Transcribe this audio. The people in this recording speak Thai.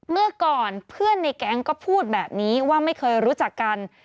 เมื่อก่อนเพื่อนในแก๊งก็พูดแบบนี้ว่าไม่เคยรู้จักกัน